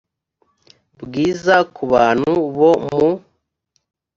bwiza ku bantu bo mu